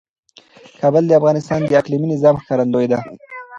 کابل د افغانستان د اقلیمي نظام ښکارندوی ده.